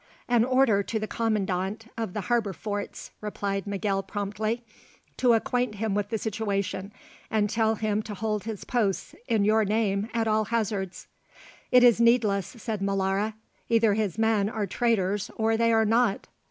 "An order to the Commandant of the harbour forts," replied Miguel promptly, "to acquaint him with the situation and tell him to hold his posts in your name at all hazards." "It is needless," said Molara; "either his men are traitors or they are not."